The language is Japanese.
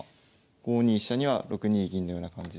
５二飛車には６二銀のような感じで。